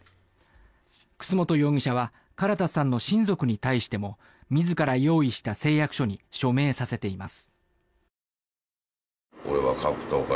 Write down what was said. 楠本容疑者は唐田さんの親族に対しても自ら用意した誓約書に署名させています。